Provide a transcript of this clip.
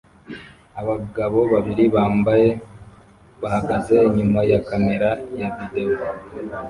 Abagabo babiri bambaye bahagaze inyuma ya kamera ya videwo